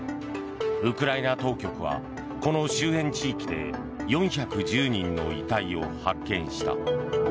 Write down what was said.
ウクライナ当局はこの周辺地域で４１０人の遺体を発見した。